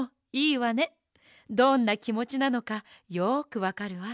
どんなきもちなのかよくわかるわ。